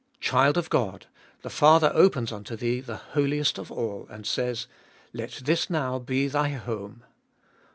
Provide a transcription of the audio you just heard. " Child of God ! the Father opens unto thee the Holiest of All, and saya : "Let this noty be thy home.